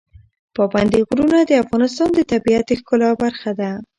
پابندی غرونه د افغانستان د طبیعت د ښکلا برخه ده.